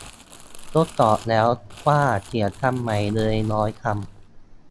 ทดสอบแล้วว่าเขียนคำใหม่เลยร้อยคำ